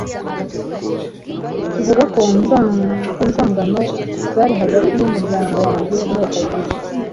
tuvuga ku nzangano zari hagati y’umuryango wange n’uwa Kayitesi.